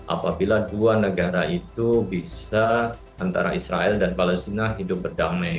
apabila dua negara itu bisa antara israel dan palestina hidup berdamai